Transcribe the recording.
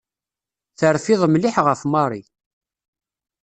Terfiḍ mliḥ ɣef Mary.